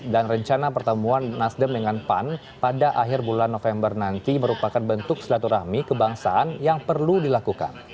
dan rencana pertemuan nasdem dengan pan pada akhir bulan november nanti merupakan bentuk silaturahmi kebangsaan yang perlu dilakukan